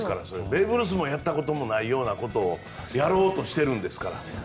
ベーブ・ルースもやったことがないようなことをやろうとしているんですから。